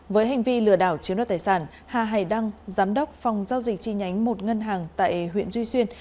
với hành vi lừa đảo chiếm đoạt tài sản hà hải đăng giám đốc phòng giao dịch chi nhánh một ngân hàng tại huyện duy xuyên